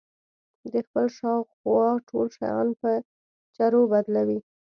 د خپل خواوشا ټول شيان په چرو بدلوي.